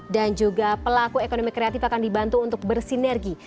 dan juga pelaku ekonomi kreatif akan dibantu untuk bersinergi